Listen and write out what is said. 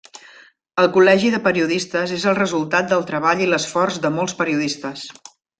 El Col·legi de Periodistes és el resultat del treball i l’esforç de molts periodistes.